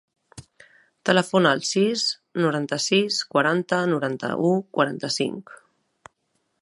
Telefona al sis, noranta-sis, quaranta, noranta-u, quaranta-cinc.